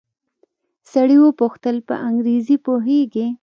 سړي وپوښتل په انګريزي پوهېږې.